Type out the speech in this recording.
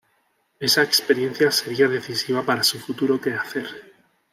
Esa experiencia sería decisiva para su futuro quehacer.